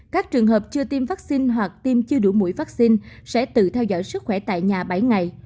các trường hợp chưa tiêm vaccine hoặc tiêm chưa đủ mũi vaccine sẽ tự theo dõi sức khỏe tại nhà bảy ngày